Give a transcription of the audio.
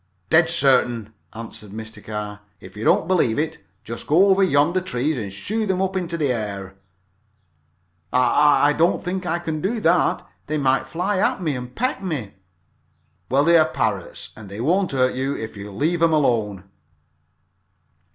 "Dead certain," answered Mr. Carr. "If you don't believe it, just go over to yonder trees and shoo them up into the air." "I I don't think I care to do that they might fly at me and peck me." "Well, they are parrots and they won't hurt you if you leave 'em alone."